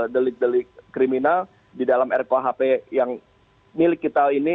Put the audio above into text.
delik delik kriminal di dalam rkuhp yang milik kita ini